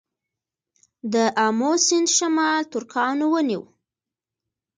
د امو سیند شمال ترکانو ونیو